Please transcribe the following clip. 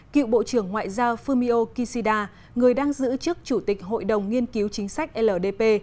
cựu bộ trưởng ngoại giao fumio kishida người đang giữ chức chủ tịch hội đồng nghiên cứu chính sách ldp